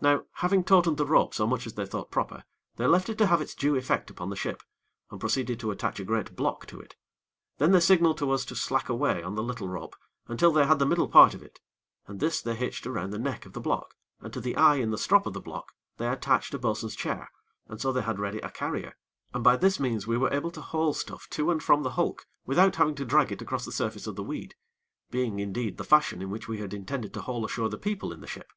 Now, having tautened the rope so much as they thought proper, they left it to have its due effect upon the ship, and proceeded to attach a great block to it; then they signaled to us to slack away on the little rope until they had the middle part of it, and this they hitched around the neck of the block, and to the eye in the strop of the block they attached a bo'sun's chair, and so they had ready a carrier, and by this means we were able to haul stuff to and from the hulk without having to drag it across the surface of the weed; being, indeed, the fashion in which we had intended to haul ashore the people in the ship.